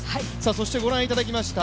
そしてご覧いただきました